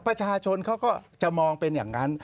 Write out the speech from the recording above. ประชาชนเขาก็จะมองเป็นอย่างนั้น